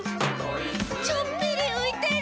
「ちょっぴりういてる」